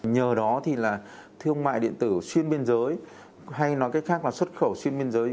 nhờ đó thì là thương mại điện tử xuyên biên giới hay nói cách khác là xuất khẩu xuyên biên giới